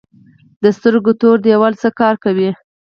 د سترګو تور دیوال څه کار کوي؟